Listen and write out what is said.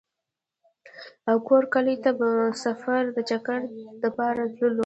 او کور کلي ته به صرف د چکر دپاره تللو ۔